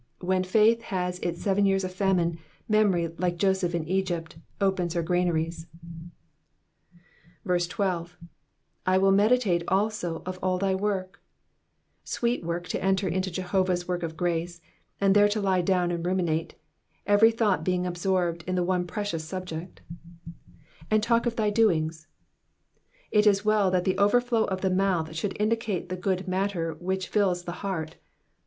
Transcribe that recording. * When faith has its seven years of famine, memory like Joseph in Egypt opens her granaries. 12. i wHl meditate also of all thy worhy Sweet work to enter into Jeho> rah's work of grace, and there to lie down and ruminate, every thought being Digitized by VjOOQIC P8ALH THE SEVENTY SEVENTH. 415 absorbed in the one precious subject. ^^And talk of thy doings.^'' It is well that the overflow of the mouth should indicate the ^ood matter which fills the heart.